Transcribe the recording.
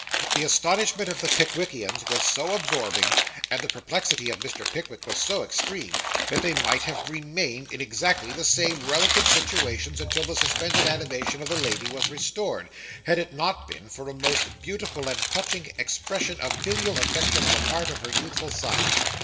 The astonishment of the Pickwickians was so absorbing, and the perplexity of Mr. Pickwick was so extreme, that they might have remained in exactly the same relative situations until the suspended animation of the lady was restored, had it not been for a most beautiful and touching expression of filial affection on the part of her youthful son.